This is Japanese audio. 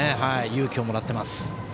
勇気をもらっています。